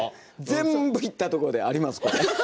全部行ったところであります。